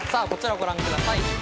こちらをご覧ください。